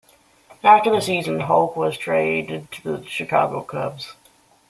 After the season, Hoak was traded to the Chicago Cubs.